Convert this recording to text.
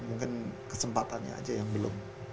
mungkin kesempatannya aja yang belum